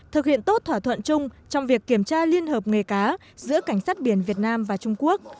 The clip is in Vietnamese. thực hiện tốt thỏa thuận chung trong việc kiểm tra liên hợp nghề cá giữa cảnh sát biển việt nam và trung quốc